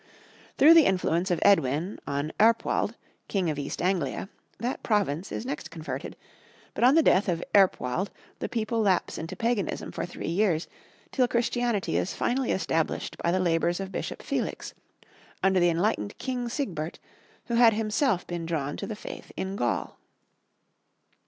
Through the influence of Edwin on Earpwald, king of East Anglia, that province is next converted, but on the death of Earpwald the people lapse into paganism for three years, till Christianity is finally established by the labours of Bishop Felix, under the enlightened King Sigbert, who had himself been drawn to the faith in Gaul.